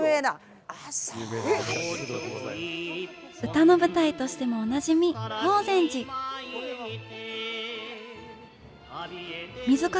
歌の舞台としてもおなじみ水掛